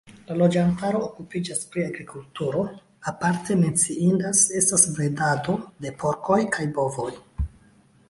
La loĝantaro okupiĝas pri agrikulturo, aparte menciinda estas bredado de porkoj kaj bovoj.